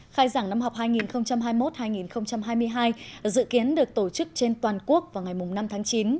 khai giảng năm học hai nghìn hai mươi một hai nghìn hai mươi hai dự kiến được tổ chức trên toàn quốc vào ngày năm tháng chín